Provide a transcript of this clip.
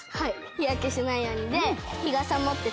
日焼けしないように。